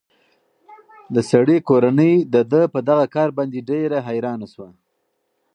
د سړي کورنۍ د ده په دغه کار باندې ډېره حیرانه شوه.